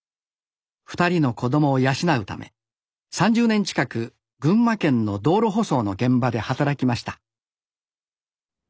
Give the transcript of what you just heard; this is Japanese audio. ２人の子どもを養うため３０年近く群馬県の道路舗装の現場で働きました